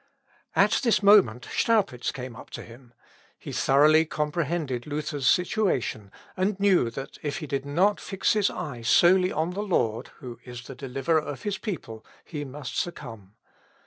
At this moment Staupitz came up to him; he thoroughly comprehended Luther's situation, and knew that if he did not fix his eye solely on the Lord, who is the deliverer of his people, he must succumb.